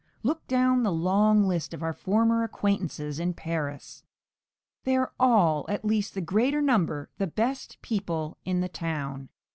Look down the long list of our former acquaintances in Paris; they are all, at least the greater number, the best people in the town.